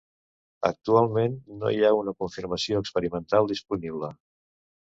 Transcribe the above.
Actualment no hi ha una confirmació experimental disponible.